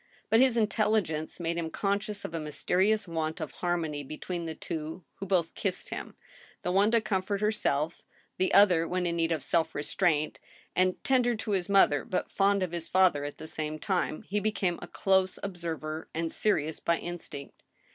But his intelligence made him conscious of a mysterious want of harmony between the two who both kissed him, the one to comfort herself, the other when in need of self restraint; and, tender to his mother, but fond of his father at the same time, he became a close observer, and serious by instinct.